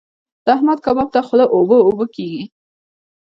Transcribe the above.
د احمد کباب ته خوله اوبه اوبه کېږي.